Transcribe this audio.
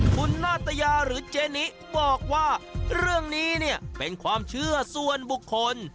คุณนาตยาหรือเจนิบอกว่าเรื่องนี้เนี่ยเป็นความเชื่อส่วนบุคคล